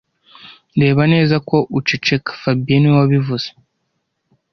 Reba neza ko uceceka fabien niwe wabivuze